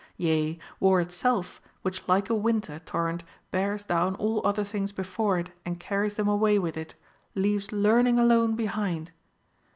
Yea, war itself, which like a Avinter torrent bears down all other things before it and carries them aAvay with it, leaves learning alone behind.